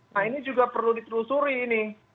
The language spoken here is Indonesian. nah ini juga perlu ditelusuri ini